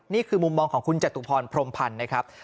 นี่คือมุมมองของคุณจตุพรพรมพันธ์นะครับ